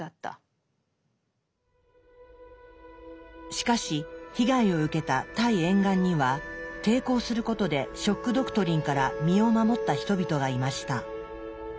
しかし被害を受けたタイ沿岸には抵抗することで「ショック・ドクトリン」から身を守った人々がいました。